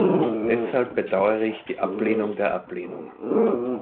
Deshalb bedauere ich die Ablehnung der Ablehnung.